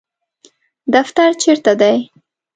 دفتر چیرته دی؟